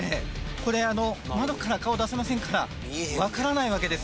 これあの窓から顔出せませんから分からないわけです